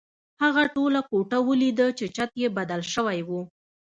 هغه خپله کوټه ولیده چې چت یې بدل شوی و